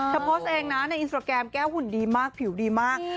โพสต์เองนะในอินสตราแกรมแก้วหุ่นดีมากผิวดีมาก